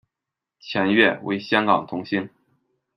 钱悦，为香港童星。